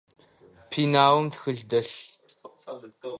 Пеналым тхылъ дэлъ.